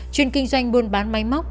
chuyên kinh doanh buôn bán máy móc